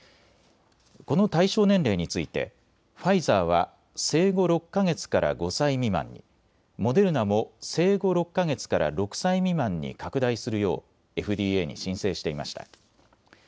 この対象年齢についてファイザーは生後６か月から５歳未満に、モデルナも生後６か月から６歳未満に拡大するようＦＤＡに申請していました。